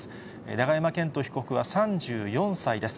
永山絢斗被告は３４歳です。